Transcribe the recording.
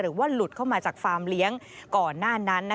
หรือว่าหลุดเข้ามาจากฟาร์มเลี้ยงก่อนหน้านั้น